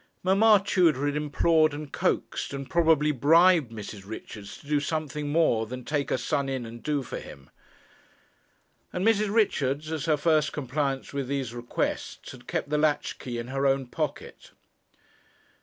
Mamma Tudor had implored and coaxed, and probably bribed Mrs. Richards to do something more than 'take her son in and do for him'; and Mrs. Richards, as her first compliance with these requests, had kept the latch key in her own pocket.